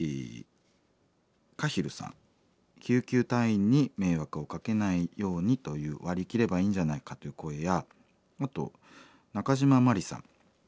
カヒルさん「救急隊員に迷惑をかけないように」という「割り切ればいいんじゃないか」という声やあとナカジママリさん